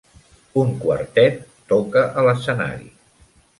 Un quartet toca a l'escenari.